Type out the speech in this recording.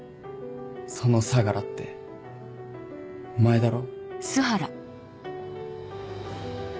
その相楽ってお前だろ？